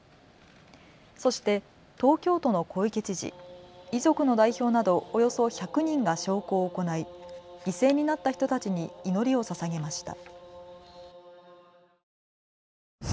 そして東京都の小池知事、遺族の代表などおよそ１００人が焼香を行い犠牲になった人たちに祈りをささげました。